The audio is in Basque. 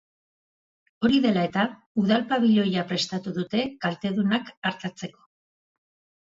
Hori dela eta, udal pabiloia prestatu dute kaltedunak artatzeko.